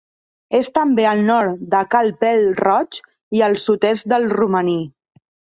És també al nord de Cal Pèl-roig i al sud-est del Romaní.